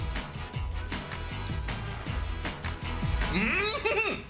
うん！